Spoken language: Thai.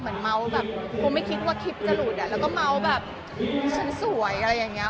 เหมือนเม้าแบบเพราะไม่คิดว่าคลิปจะหลุดอะแล้วก็เม้าแบบฉันสวยอะไรอย่างเงี้ย